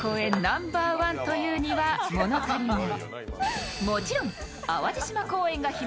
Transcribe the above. ナンバーワンというには物足りない。